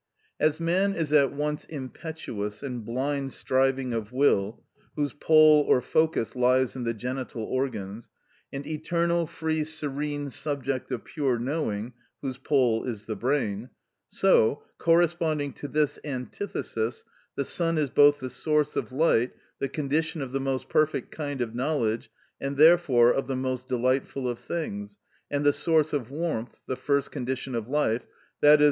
As man is at once impetuous and blind striving of will (whose pole or focus lies in the genital organs), and eternal, free, serene subject of pure knowing (whose pole is the brain); so, corresponding to this antithesis, the sun is both the source of light, the condition of the most perfect kind of knowledge, and therefore of the most delightful of things—and the source of warmth, the first condition of life, _i.e.